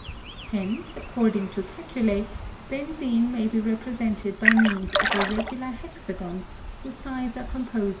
Hence, according to Kekule, benzene may be represented by means of a regular hexagon whose sides are composed.